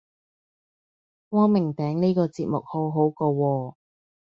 光明頂呢個節目好好個喎